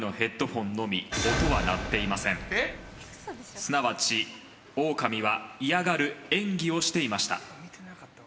すなわちオオカミは嫌がる演技をしていました。